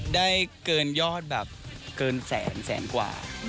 ได้เกินยอดแบบเกินแสนแสนกว่า